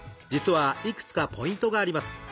実はいくつかポイントがあります。